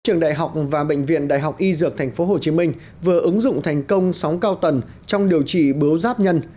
trường đại học và bệnh viện đại học y dược tp hcm vừa ứng dụng thành công sóng cao tần trong điều trị bớ giáp nhân